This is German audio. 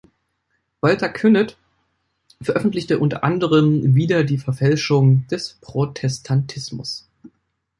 Walter Künneth veröffentlichte unter anderem "Wider die Verfälschung des Protestantismus.